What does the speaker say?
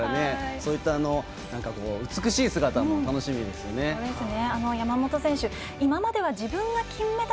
そういった美しい姿も楽しみですよね。